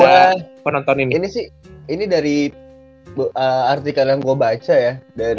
menurut gue ini sih dari artikel yang gue baca ya